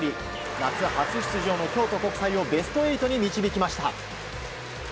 夏初出場の京都国際をベスト８へ導きました。